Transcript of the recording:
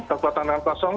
kekuatan tangan kosong